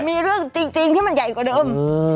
มีเรื่องจริงที่มันใหญ่กว่าเดิม